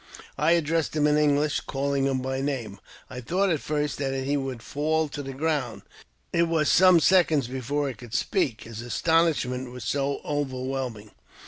" I addressed him in English, calling him by name. I though at first that he would fall to the ground ; it was some seconds before he could speak, his astonishment was so overwhelming.